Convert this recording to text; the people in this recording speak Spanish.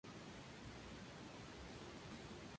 Su clasificación es dudosa.